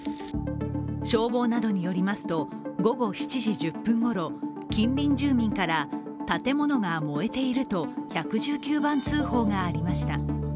消防などによりますと、午後７時１０分ごろ近隣住民から、建物が燃えていると１１９番通報がありました。